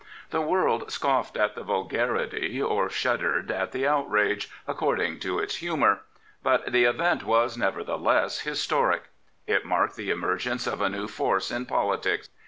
The world scoffed at the vul garity, or shuddered at the outrage, according to its humour; but the event was, nevertheless, liistoric. It marked the emergence of a new force in politics.